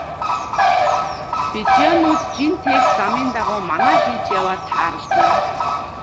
Бедоинууд жин тээх замын дагуу манаа хийж яваад тааралдана.